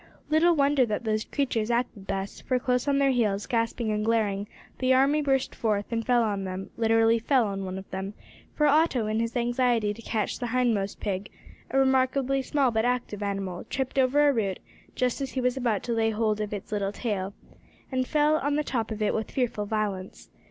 Little wonder that those creatures acted thus, for, close on their heels, gasping and glaring, the army burst forth and fell on them literally fell on one of them, for Otto in his anxiety to catch the hindmost pig, a remarkably small but active animal, tripped over a root just as he was about to lay hold of its little tail, and fell on the top of it with fearful violence.